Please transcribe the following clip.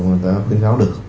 người ta khuyến cáo được